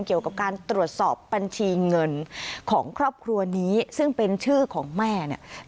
เกี่ยวกับการตรวจสอบบัญชีเงินของครอบครัวนี้ซึ่งเป็นชื่อของแม่เนี่ย